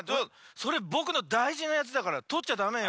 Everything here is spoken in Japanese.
それぼくのだいじなやつだからとっちゃだめよ。